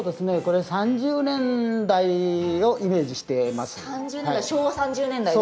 昭和３０年代をイメージしています。